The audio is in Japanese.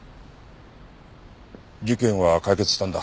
事件は解決したんだ。